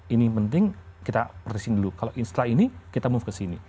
ini penting kita perhatiin dulu kalau setelah ini kita move ke sini